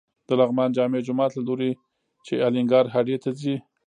د لغمان جامع جومات له لوري چې الینګار هډې ته ځې.